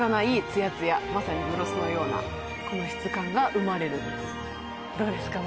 ツヤツヤまさにグロスのようなこの質感が生まれるんですどうですか？